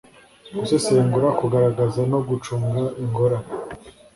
gusesengura kugaragaza no gucunga ingorane